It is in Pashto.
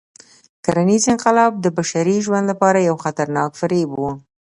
کرنيز انقلاب د بشري ژوند لپاره یو خطرناک فریب و.